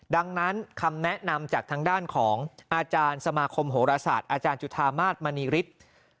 ดังนั้นคำแนะนำจากทางด้านของอาจารย์สมาคมโหรศาสตร์อาจารย์จุธามาศมณีฤทธิ์